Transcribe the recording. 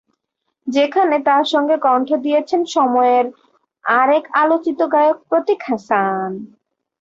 যেখানে তাঁর সঙ্গে কণ্ঠ দিয়েছেন সময়ের আরেক আলোচিত গায়ক প্রতীক হাসান।